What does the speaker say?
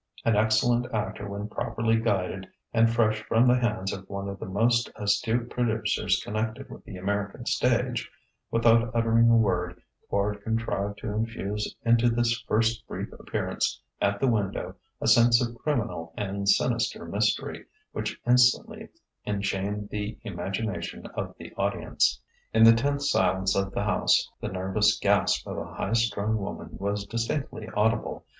An excellent actor when properly guided, and fresh from the hands of one of the most astute producers connected with the American stage, without uttering a word Quard contrived to infuse into this first brief appearance at the window a sense of criminal and sinister mystery which instantly enchained the imagination of the audience. In the tense silence of the house, the nervous gasp of a high strung woman was distinctly audible.